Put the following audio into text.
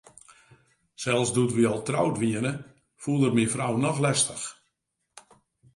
Sels doe't wy al troud wiene, foel er myn frou noch lestich.